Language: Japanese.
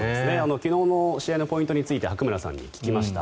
昨日の試合のポイントについて白村さんに聞きました。